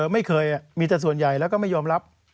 ไม่เคยมีแต่ส่วนใหญ่แล้วก็ไม่ยอมรับ